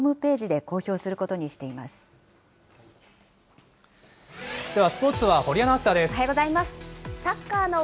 ではスポーツは堀アナウンサーです。